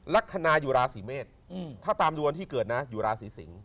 ลักษณะอยู่ราศีเมษถ้าตามดูวันที่เกิดนะอยู่ราศีสิงศ